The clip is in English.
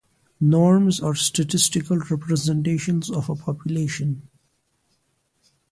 Norms are statistical representations of a population.